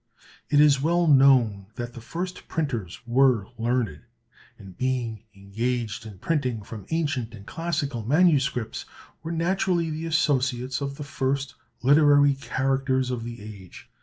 It is well known that the first printers were learned; and, being engaged in printing from ancient and classical manuscripts, were naturally the associates of the first literary characters of the age.